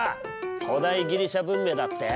古代ギリシャ文明だって？